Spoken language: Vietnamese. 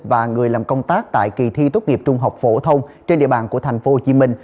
và người làm công tác tại kỳ thi tốt nghiệp trung học phổ thông trên địa bàn tp hồ chí minh